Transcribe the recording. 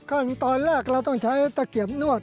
ขั้นตอนแรกเราต้องใช้ตะเกียบนวด